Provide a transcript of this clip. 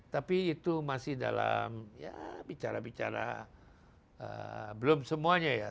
tapi itu masih dalam ya bicara bicara belum semuanya ya